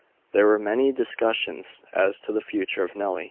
There were many discussions as to the future of Nelly.